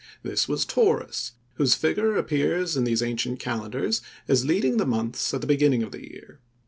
This was Taurus, whose figure appears in these ancient calendars as leading the months at the beginning of the year.